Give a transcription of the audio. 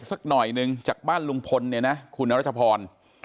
อันนี้ตรงบ้านลุงฝน